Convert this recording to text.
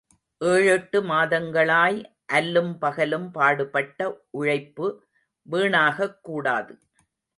ஏழெட்டு மாதங்களாய், அல்லும் பகலும் பாடுபட்ட உழைப்பு வீணாகக் கூடாது.